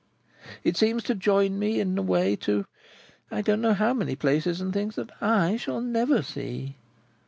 It seems to join me, in a way, to I don't know how many places and things that I shall never see."